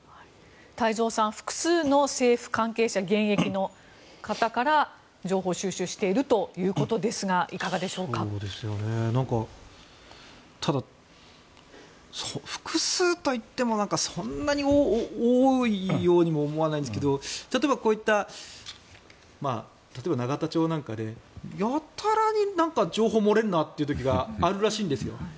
太蔵さん複数の関係者現役の方から情報収集しているということですがただ、複数といってもそんなに多いようにも思わないんですけど例えば、こういった例えば永田町なんかでやたらに情報が漏れるなって時があるらしいんですよ。